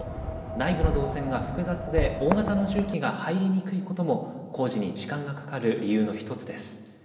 内部の動線が複雑で、大型の重機が入りにくいことも、工事に時間がかかる理由の一つです。